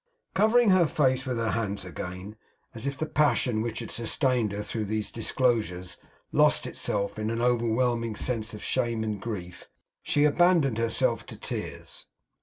Covering her face with her hands again, as if the passion which had sustained her through these disclosures lost itself in an overwhelming sense of shame and grief, she abandoned herself to tears.